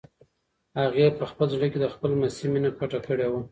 هغې په خپل زړه کې د خپل لمسي مینه پټه کړې وه.